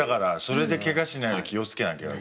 それでケガしないように気を付けなきゃね。